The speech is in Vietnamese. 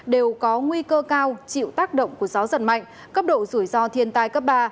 đều có nguy cơ cao chịu tác động của gió giật mạnh cấp độ rủi ro thiên tai cấp ba